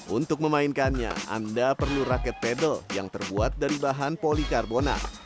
untuk memainkannya anda perlu raket pedal yang terbuat dari bahan polikarbona